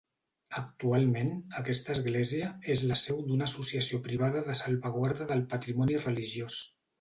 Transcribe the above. Actualment, aquesta església és la seu d'una associació privada de salvaguarda del patrimoni religiós.